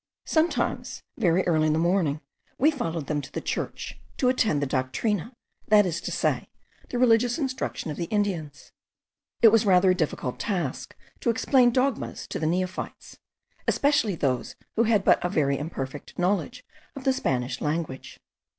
Sometimes, very early in the morning, we followed them to the church, to attend the doctrina, that is to say, the religious instruction of the Indians. It was rather a difficult task to explain dogmas to the neophytes, especially those who had but a very imperfect knowledge of the Spanish language.